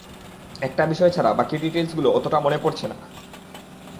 একটা বিষয় ছাড়া বাকি ডিটেইলসগুলো অতোটা মনে পড়ছে না!